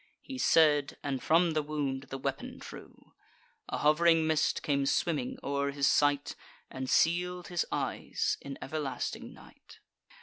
He said, and from the wound the weapon drew. A hov'ring mist came swimming o'er his sight, And seal'd his eyes in everlasting night.